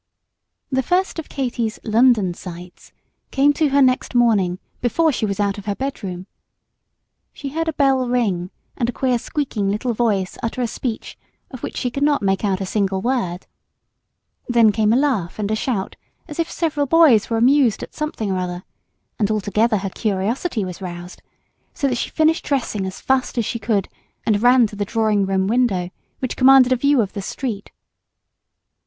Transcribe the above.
The first of Katy's "London sights" came to her next morning before she was out of her bedroom. She heard a bell ring and a queer squeaking little voice utter a speech of which she could not make out a single word. Then came a laugh and a shout, as if several boys were amused at something or other; and altogether her curiosity was roused, so that she finished dressing as fast as she could, and ran to the drawing room window which commanded a view of the street.